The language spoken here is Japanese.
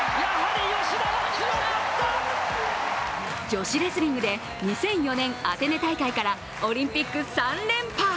女子レスリングで２００４年アテネ大会からオリンピック３連覇。